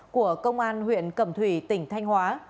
của công an huyện cẩm thủy tỉnh thanh hóa